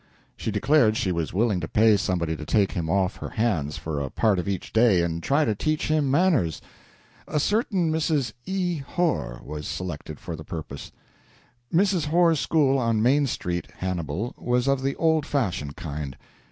She declared she was willing to pay somebody to take him off her hands for a part of each day and try to teach him "manners." A certain Mrs. E. Horr was selected for the purpose. Mrs. Horr's school on Main Street, Hannibal, was of the old fashioned kind.